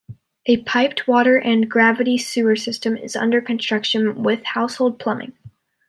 A piped water and gravity sewer system is under construction, with household plumbing.